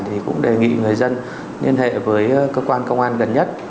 thì cũng đề nghị người dân liên hệ với cơ quan công an gần nhất